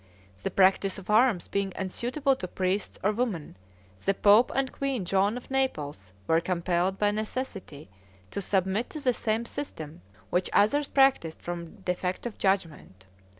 The practice of arms being unsuitable to priests or women, the pope and Queen Joan of Naples were compelled by necessity to submit to the same system which others practiced from defect of judgment.